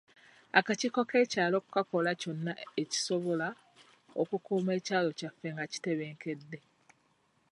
Akakiiko k'ekyalo kakola kyonna okisobola okukuuma ekyalo kyaffe nga kitebenkedde.